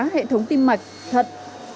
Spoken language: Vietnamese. hệ thống tim mạch thật